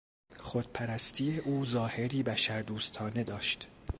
خود پرستی او ظاهری بشر دوستانه داشت.